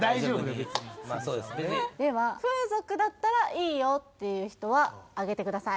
別にでは風俗だったらいいよっていう人はあげてください・